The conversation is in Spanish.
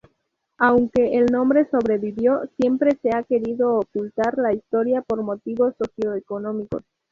Aunque el nombre sobrevivió, siempre se ha querido ocultar la historia por motivos socioeconómicos.